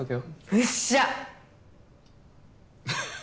よっしゃ！